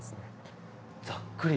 ざっくり。